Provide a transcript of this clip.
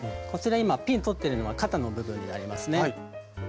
こちら今ピンとってるのは肩の部分になりますね。